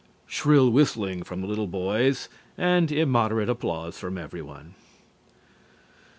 (Shrill whistling from the little boys and immoderate applause from everyone).